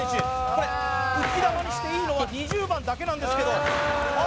これ浮き球にしていいのは２０番だけなんですけどああ